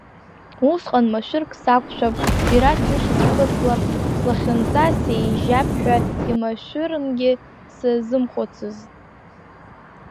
Усҟан машәырк сақәшәап, џьара снышьацәхыслап, слахьынҵа сеижьап ҳәа имашәырынгьы сазымхәыццызт.